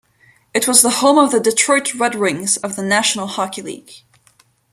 It was the home of the Detroit Red Wings of the National Hockey League.